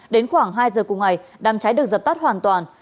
đến khoảng hai giờ cùng ngày đám cháy được dập tắt hoàn toàn